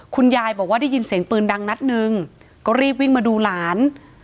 คุณยายบอกว่าได้ยินเสียงปืนดังนัดหนึ่งก็รีบวิ่งมาดูหลาน